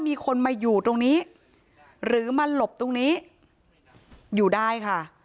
มีคนมาอยู่ตรงนี้หรือมาหลบตรงนี้อยู่ได้ค่ะ